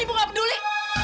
ibu gak peduli